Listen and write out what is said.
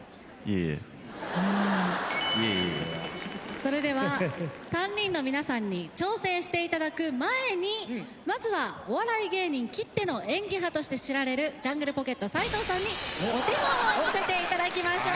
それでは３人の皆さんに挑戦して頂く前にまずはお笑い芸人きっての演技派として知られるジャングルポケット斉藤さんにお手本を見せて頂きましょう。